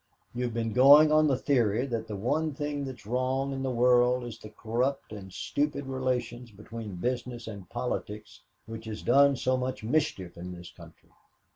You have been going on the theory that the one thing that is wrong in the world is the corrupt and stupid relation between business and politics which has done so much mischief in this country.